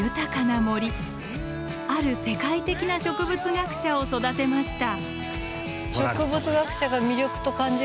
ある世界的な植物学者を育てました。